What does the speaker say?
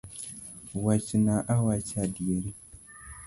Wachna awacha adieri.